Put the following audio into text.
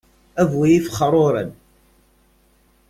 A bu ifexruren!